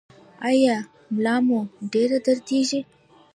ایا ملا مو ډیره دردیږي؟